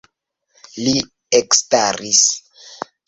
Li ekstaris.